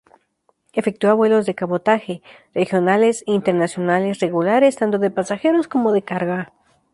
Efectúa vuelos de cabotaje, regionales e internacionales regulares tanto de pasajeros como de carga.